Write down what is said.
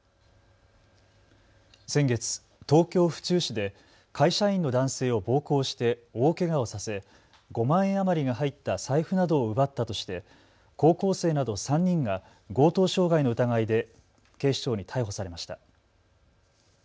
先月、東京府中市で会社員の男性を暴行して大けがをさせ５万円余りが入った財布などを奪ったとして高校生など３人が強盗傷害の疑いで警視庁に逮捕されました。